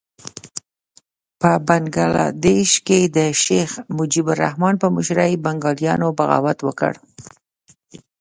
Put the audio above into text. په بنګه دېش کې د شیخ مجیب الرحمن په مشرۍ بنګالیانو بغاوت وکړ.